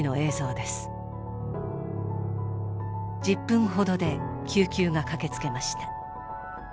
１０分ほどで救急が駆け付けました。